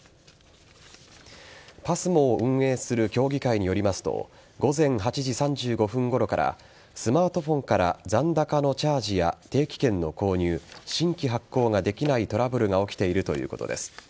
ＰＡＳＭＯを運営する協議会によりますと午前８時３５分ごろからスマートフォンから残高のチャージや定期券の購入新規発行ができないトラブルが起きているということです。